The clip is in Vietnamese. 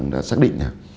đã xác định